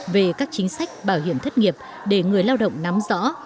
về các chính sách bảo hiểm thất nghiệp để người lao động nắm rõ